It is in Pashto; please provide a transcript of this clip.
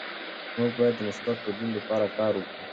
موږ باید د مثبت بدلون لپاره کار وکړو.